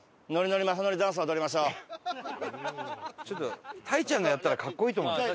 ちょっとたいちゃんがやったら格好いいと思うんだよね。